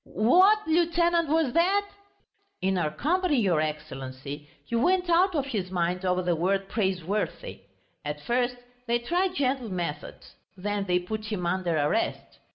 "Wha at lieutenant was that?" "In our company, your Excellency, he went out of his mind over the word praiseworthy. At first they tried gentle methods, then they put him under arrest....